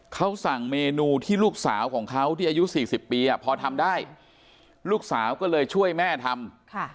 เขาสั่งเมนูที่ลูกสาวของเขาที่อายุ๔๐ปีพอทำได้ลูกสาวก็เลยช่วยแม่ทำ